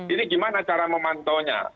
ini gimana cara memantau nya